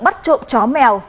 bắt trộm chó mèo